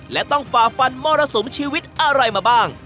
และต้องฝ่าฟันมรสุมชีวิตอะไรมาบ้าง